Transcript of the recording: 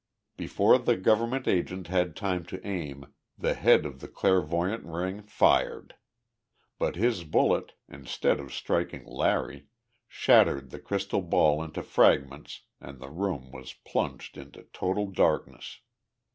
Before the government agent had time to aim the head of the clairvoyant ring fired. But his bullet, instead of striking Larry, shattered the crystal ball into fragments and the room was plunged into total darkness.